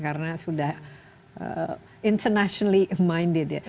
karena sudah internationally minded ya